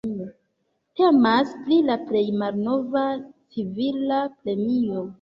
Temas pri la plej malnova civila premio.